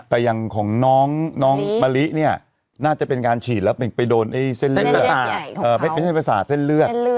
แต่อย่างของน้องน้องมะลิเนี่ยน่าจะเป็นการฉีดแล้วไปโดนไอ้เส้นเลือด